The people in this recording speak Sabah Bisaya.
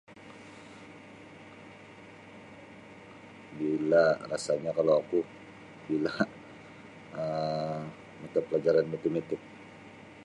Bila rasany kalau aku bila um mata pelajaran matematik.